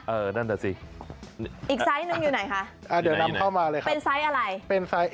เอ้อนั่นเดิมสิอีกไซส์หนึ่งอยู่ไหนค่ะเดี๋ยวนำเข้ามาเลยข้าเป็นไซส์อะไร